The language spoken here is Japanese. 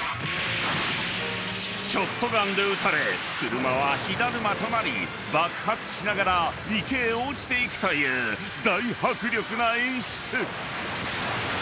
［ショットガンで撃たれ車は火だるまとなり爆発しながら池へ落ちていくという大迫力な演出］